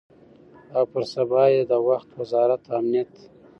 او پر سبا یې د وخت وزارت امنیت